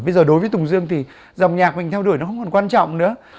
bây giờ đối với tùng dương thì dòng nhạc mình theo đuổi nó không còn quan trọng nữa